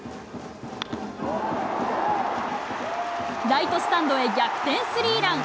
ライトスタンドへ逆転スリーラン。